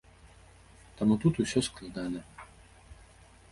Таму тут усё складана.